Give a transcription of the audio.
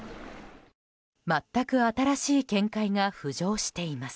全く新しい見解が浮上しています。